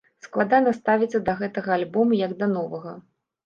Складана ставіцца да гэтага альбому як да новага.